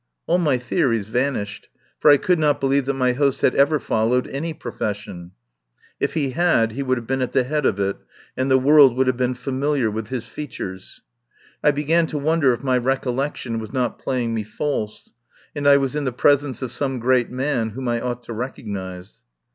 All my theories vanished, for I could not believe that my host had ever followed any profession. If he had, he would have been at the head of it, and the world would have been familiar with his features. I began to won der if my recollection was not playing me false, and I was in the presence of some great man whom I ought to recognise.